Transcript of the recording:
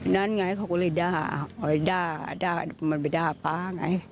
นั่นไงเขาก็เลยด่าไปด่ามันไปด่าป๊าไง